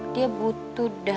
dia butuh dana